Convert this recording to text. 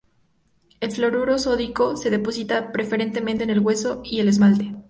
El fluoruro sódico se deposita preferentemente en el hueso y el esmalte.